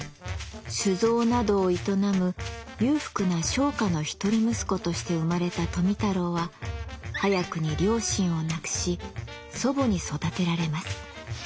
酒造などを営む裕福な商家の一人息子として生まれた富太郎は早くに両親を亡くし祖母に育てられます。